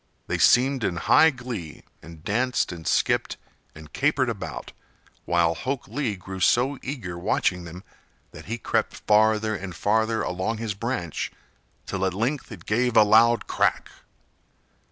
They seemed in high glee and danced and skipped and capered about, while Hok Lee grew so eager watching them that he crept farther and farther along his branch till at length it gave a loud crack.